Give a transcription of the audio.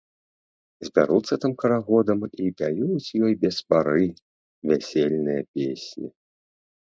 Збяруцца там карагодам і пяюць ёй без пары вясельныя песні.